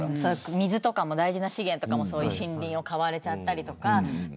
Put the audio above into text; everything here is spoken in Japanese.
水とかの大事な資源とかも森林を買われちゃったりとか。